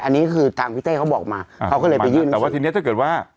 อันนี้คือทางพี่เต้เขาบอกมาเขาก็เลยไปยืดซื้อ